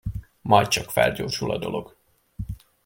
Majd csak felgyorsul a dolog.